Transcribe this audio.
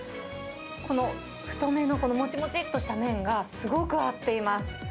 この太めの、このもちもちっとした麺がすごく合っています。